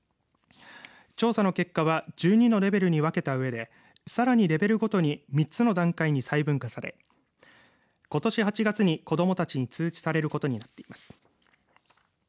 調査の結果は１２のレベルに分けたうえでさらにレベルごとに３つの段階に細分化されことし８月に子どもたちに通知されることになっています。